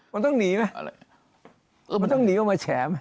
มันต้องหนีไหมมันต้องหนีออกมาแฉไหม